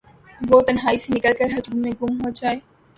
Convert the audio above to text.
وہ تنہائی سے نکل کرہجوم میں گم ہوجائے